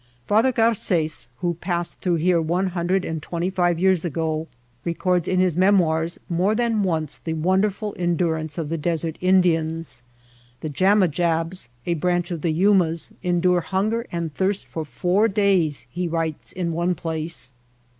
Father Garces, who passed through here one hundred and twenty five years ago, records in his Memoirs more than once the wonderful endurance of the desert Indians. "The Jamajabs (a branch of the Yumas) en dure hunger and thirst for four days,^' he writes in one place.